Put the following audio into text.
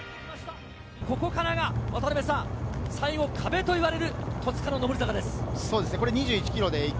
ここからが、最後壁と呼ばれる戸塚の上り坂です。